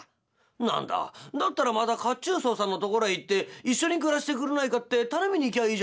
「何だだったらまた褐虫藻さんのところへ行って一緒に暮らしてくれないかって頼みに行きゃいいじゃありませんか」。